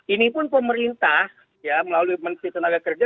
ini pun pemerintah melalui menteri tenaga kerja